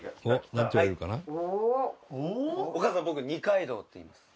「お母さん僕二階堂っていいます」